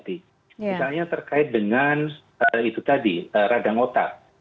misalnya terkait dengan itu tadi radang otak